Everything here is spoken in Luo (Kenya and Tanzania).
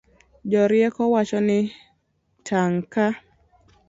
Jorieko wacho ni tang' ka